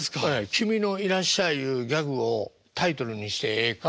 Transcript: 「君の『いらっしゃい』いうギャグをタイトルにしてええか？」